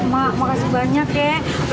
mak makasih banyak ya